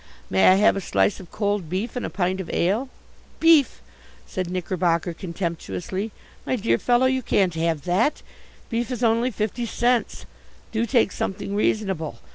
"May I have a slice of cold beef and a pint of ale?" "Beef!" said Knickerbocker contemptuously. "My dear fellow, you can't have that. Beef is only fifty cents. Do take something reasonable.